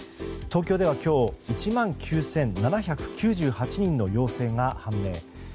東京では今日１万９７９８人の陽性が判明。